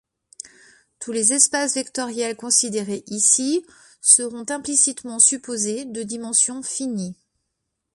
Tous les espaces vectoriels considérés ici seront implicitement supposés de dimension finie.